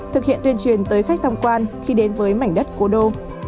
thực hiện tuyên truyền tới khách tham quan khi đến với mảnh đất cố đô